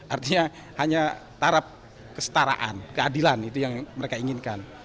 artinya hanya tarap kestaraan keadilan itu yang mereka inginkan